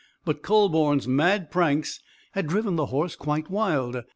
But Kühleborn's mad pranks had driven the horse quite wild.